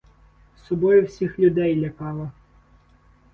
Собою всіх людей лякала